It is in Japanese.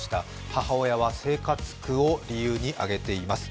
母親は生活苦を理由に挙げています。